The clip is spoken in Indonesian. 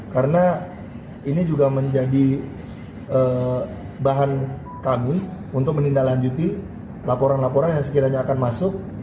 karena ini juga menjadi bahan kami untuk menindaklanjuti laporan laporan yang sekiranya akan masuk